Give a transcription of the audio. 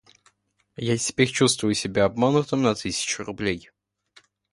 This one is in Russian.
Я теперь чувствую себя обманутым на тысячу рублей